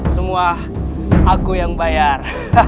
semua aku yang bayar